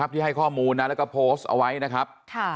ที่ให้ข้อมูลแล้วก็โพสต์เอาไว้นะครับ